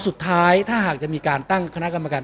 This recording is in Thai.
ก็ต้องทำอย่างที่บอกว่าช่องคุณวิชากำลังทำอยู่นั่นนะครับ